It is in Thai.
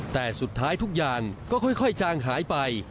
แต่สุดท้ายทุกอย่างก็ค่อยจางหายไป